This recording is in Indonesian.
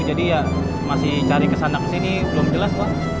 jadi ya masih cari kesana kesini belum jelas wak